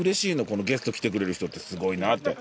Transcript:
このゲストで来てくれる人ってすごいなって。